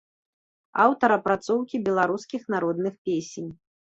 Аўтар апрацоўкі беларускіх народных песень.